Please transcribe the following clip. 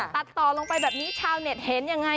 ตัดต่อลงไปแบบนี้ชาวเน็ตเห็นยังไง